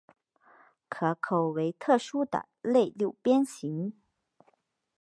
壳口为特殊的类六边形。